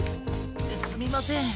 すみません。